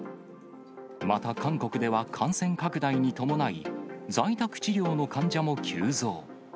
また韓国では、感染拡大に伴い、在宅治療の患者も急増。